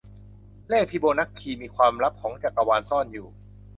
เลขฟิโบนัคคี มีความลับของจักรวาลซ่อนอยู่